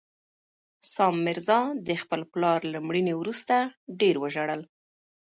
سام میرزا د خپل پلار له مړینې وروسته ډېر وژړل.